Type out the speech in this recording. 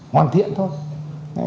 hoàn thiện thôi